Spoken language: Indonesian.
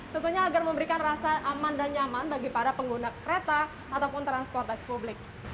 tentunya agar memberikan rasa aman dan nyaman bagi para pengguna kereta ataupun transportasi publik